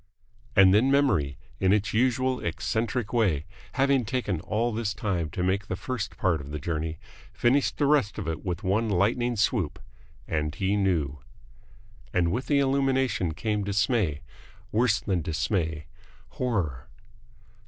And then memory, in its usual eccentric way, having taken all this time to make the first part of the journey, finished the rest of it with one lightning swoop, and he knew. And with the illumination came dismay. Worse than dismay. Horror.